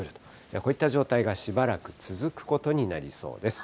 こういった状態がしばらく続くことになりそうです。